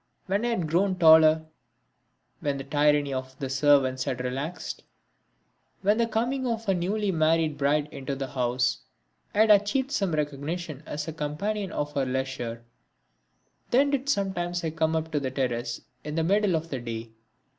When I had grown taller; when the tyranny of the servants had relaxed; when, with the coming of a newly married bride into the house, I had achieved some recognition as a companion of her leisure, then did I sometimes come up to the terrace in the middle of the day.